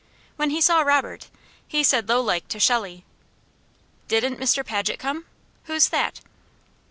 When he saw Robert he said lowlike to Shelley: "Didn't Mr. Paget come? Who's that?"